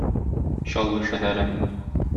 Чаллы шәһәре.